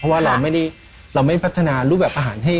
เพราะว่าเราไม่ได้ปรัฒนารูปแบบอาหาร